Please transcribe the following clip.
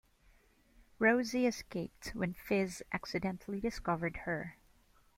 Rosie escaped when Fiz accidentally discovered her.